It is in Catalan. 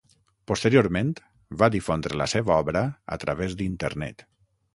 Posteriorment, va difondre la seva obra a través d'Internet.